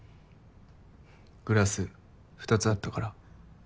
グラス２つあったから。